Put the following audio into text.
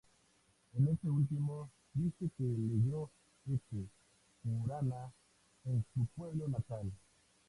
En este último dice que leyó este "Purana" en su pueblo natal.